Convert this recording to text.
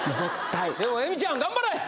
でもえみちゃん頑張れ！